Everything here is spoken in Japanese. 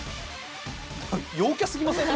陽キャすぎません？